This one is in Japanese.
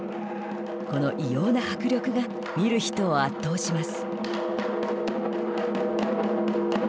この異様な迫力が見る人を圧倒します。